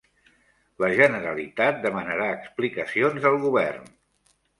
La Generalitat demanarà explicacions al govern